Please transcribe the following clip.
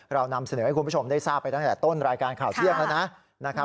เรานำเสนอให้คุณผู้ชมได้ทราบไปตั้งแต่ต้นรายการข่าวเที่ยงแล้วนะ